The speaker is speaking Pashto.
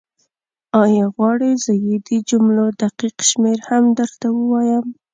ایا غواړې زه یې د جملو دقیق شمېر هم درته ووایم؟